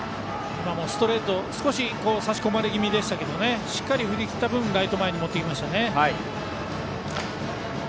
今もストレート少し差し込まれ気味でしたがしっかり振りきった分ライト前に持っていきましたね。